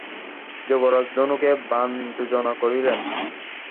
যুবরাজ ধনুকে বাণ যোজনা করিলেন।